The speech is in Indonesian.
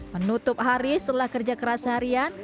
menutup hari setelah kerja keras harian